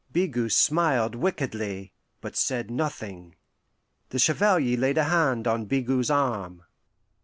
Bigot smiled wickedly, but said nothing. The Chevalier laid a hand on Bigot's arm.